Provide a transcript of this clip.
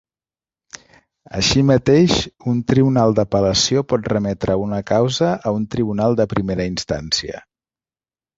Així mateix, un tribunal d'apel·lació pot remetre una causa a un tribunal de primera instància.